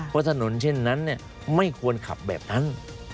เพราะถนนเช่นนั้นไม่ควรขับแบบนั้น